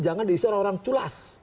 jangan diisi orang orang culas